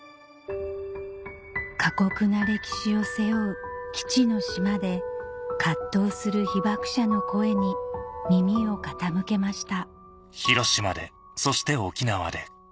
過酷な歴史を背負う「基地の島」で藤する被爆者の声に耳を傾けました